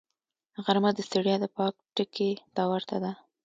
غرمه د ستړیا د پای ټکي ته ورته ده